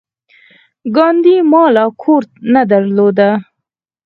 ګاندي مال او کور نه درلود.